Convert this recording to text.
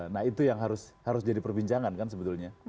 nah itu yang harus jadi perbincangan kan sebetulnya